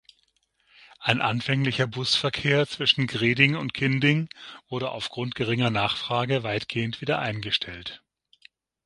Ein anfänglicher Busverkehr zwischen Greding und Kinding wurde aufgrund geringer Nachfrage weitgehend wieder eingestellt.